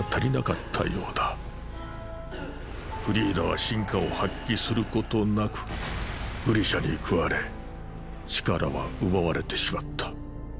フリーダは真価を発揮することなくグリシャに食われ力は奪われてしまった。